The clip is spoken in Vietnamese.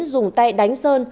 dùng tay đánh sơn